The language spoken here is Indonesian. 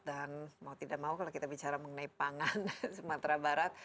dan mau tidak mau kalau kita bicara mengenai pangan sumatera barat